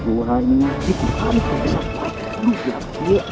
badan telap gini teh